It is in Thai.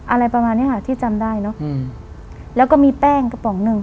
อะไรประมาณเนี้ยค่ะที่จำได้เนอะอืมแล้วก็มีแป้งกระป๋องหนึ่ง